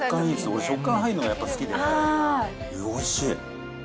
この食感入るのがやっぱ好きで、おいしい。